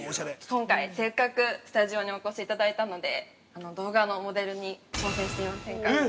◆今回、せっかくスタジオにお越しいただいたので動画のモデルに挑戦してみませんか。